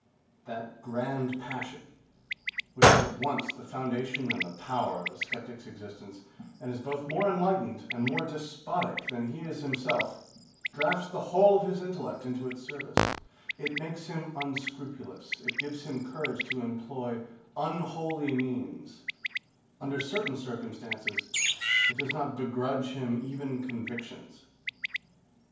That grand passion which is at once the foundation and the power of a sceptic's existence, and is both more enlightened and more despotic than he is himself, drafts the whole of his intellect into its service; it makes him unscrupulous; it gives him courage to employ unholy means; under certain circumstances it does not begrudge him even convictions.